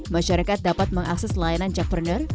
masyarakat dapat mengakses layanan jakpreneur